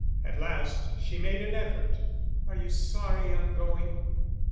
At last she made an effort. "Are you sorry I'm going?"